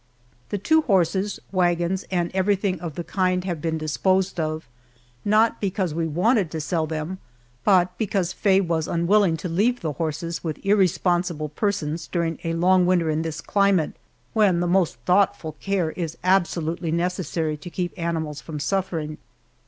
The two horses, wagons, and everything of the kind have been disposed of not because we wanted to sell them, but because Faye was unwilling to leave the horses with irresponsible persons during a long winter in this climate, when the most thoughtful care is absolutely necessary to keep animals from suffering.